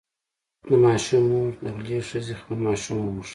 د ماشوم مور له غلې ښځې خپل ماشوم وغوښت.